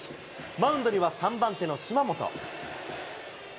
マウンドには３番手の島本。